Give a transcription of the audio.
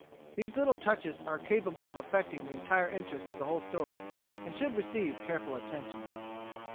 These little touches are capable of affecting the entire interest of the whole story, and should receive careful attention.